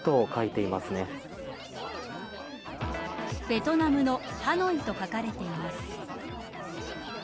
ベトナムのハノイと書かれています。